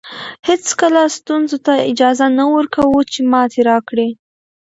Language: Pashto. هېڅکله ستونزو ته اجازه نه ورکوو چې ماتې راکړي.